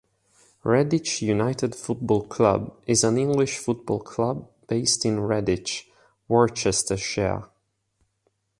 Redditch United Football Club is an English football club based in Redditch, Worcestershire.